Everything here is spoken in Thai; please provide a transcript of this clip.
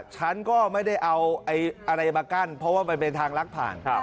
ฉันก็ไม่ได้เอาอะไรมากั้นเพราะว่ามันเป็นทางลักผ่าน